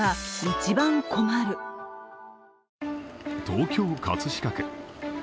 東京・葛飾区。